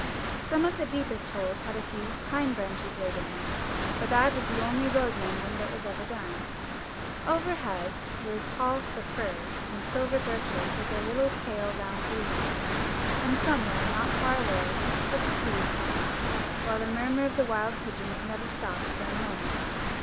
Some of the deepest holes had a few pine branches laid in them, but that was the only road mending that ever was done. Over head were the tall firs and silver birches with their little, pale, round leaves; and somewhere, not far away, a cuckoo was calling, while the murmur of the wild pigeons never stopped for a moment.